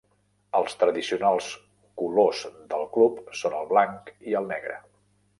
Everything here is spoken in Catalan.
Els tradicionals colors del club són el blanc i el negre.